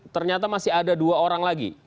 ternyata masih ada dua orang lagi